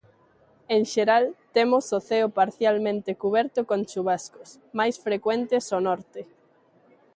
En xeral temos o ceo parcialmente cuberto con chuvascos, máis frecuentes ao norte.